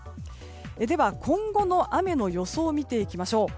では、今後の雨の予想を見ていきましょう。